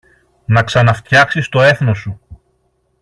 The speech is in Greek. να ξαναφτιάξεις το έθνος σου.